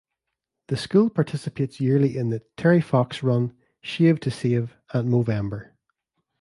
The school participates yearly in the Terry Fox Run, Shave to Save and Movember.